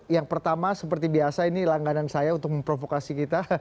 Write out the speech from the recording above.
yang pertama seperti biasa ini langganan saya untuk memprovokasi kita